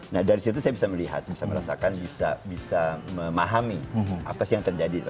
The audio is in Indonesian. nah dari situ saya bisa melihat bisa merasakan bisa memahami apa sih yang terjadi